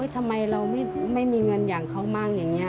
ทำไมเราไม่มีเงินอย่างเขามั่งอย่างนี้